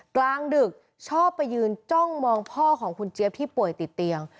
กลางดึกชอบไปยืนจ้องมองพ่อของคุณเจี๊ยบที่ป่วยติดเตียง